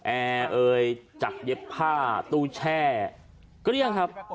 แอเอ่ยจักเย็บผ้าตู้แช่ก็เรียงครับ